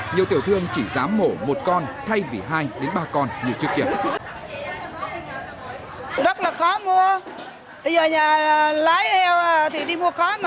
nhiều tiểu thương chỉ dám mổ một con thay vì hai đến ba con như trước kia